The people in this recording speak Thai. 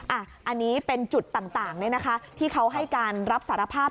อันนี้เป็นจุดต่างที่เขาให้การรับสารภาพ